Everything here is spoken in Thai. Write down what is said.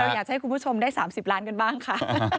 อยากจะให้คุณผู้ชมได้๓๐ล้านกันบ้างค่ะ